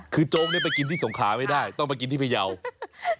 คือโจ๊กไปกินที่สงขาไม่ได้ต้องไปกินที่พยาว